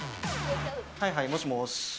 はいはいもしもし。